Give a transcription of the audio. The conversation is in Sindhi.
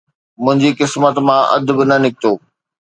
منهنجي قسمت مان اڌ به نه نڪتو